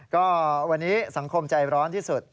ก็วันนี้สังคมใจร้อนที่สุด